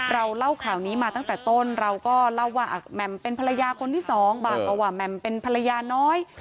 เราเล่าข่าวนี้มาตั้งแต่ต้นเราก็เล่าว่าแหม่มเป็นภรรยาคนที่สองบ้างก็ว่าแหม่มเป็นภรรยาน้อย